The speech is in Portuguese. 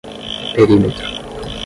perímetro